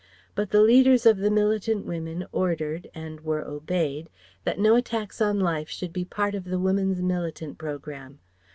But the leaders of the militant women ordered (and were obeyed) that no attacks on life should be part of the Woman's militant programme.